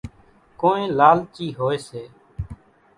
ڪونئين لالچي هوئيَ سي۔